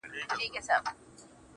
o خيال ويل ه مـا پــرې وپاسه.